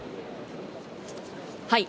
はい。